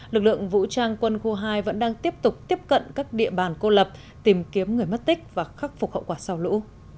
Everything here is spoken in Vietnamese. lực lượng vũ trang quân khu hai vẫn đang tiếp tục tiếp cận các địa bàn cô lập tìm kiếm người mất tích và khắc phục hậu quả sau lũ